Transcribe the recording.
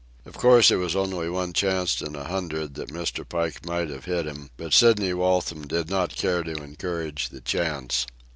Of course, it was only one chance in a hundred that Mr. Pike might have hit him, but Sidney Waltham did not care to encourage the chance.